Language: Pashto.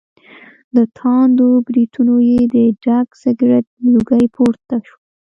له تاندو برېتونو یې د ډک سګرټ لوګی پور ته شو.